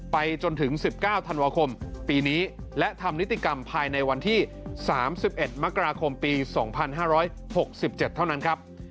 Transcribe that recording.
ไปจนถึง๑๙ธันวาคมปีนี้และทำนิติกรรมภายในวันที่๓๑มกราคมปี๒๕๖๗เท่านั้นครับ